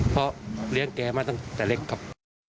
เพราะเลี้ยงแกมาตั้งแต่เล็กครับ